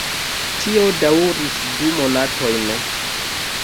Tio daŭris du monatojn.